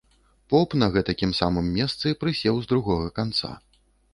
Поп на гэтакім самым месцы прысеў з другога канца.